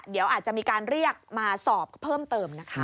เดี๋ยวอาจจะมีการเรียกมาสอบเพิ่มเติมนะคะ